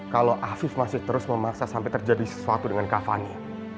kalau afif masih terus memaksa sampai terjadi sesuatu dengan kavania